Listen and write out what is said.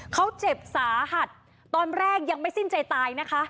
เขาเจ็บสาหัสตอนแรกยังไม่สิ้นใจตายนะคะ